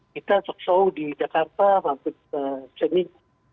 kita seksual di jakarta waktu seminggu